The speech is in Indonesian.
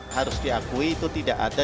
harus diakui itu tidak ada